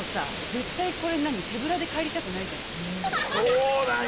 絶対これ何手ぶらで帰りたくないじゃないそうなんや！